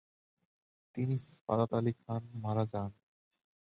তিনি সাদাত আলি খান মারা যান।